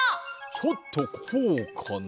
ちょっとこうかな？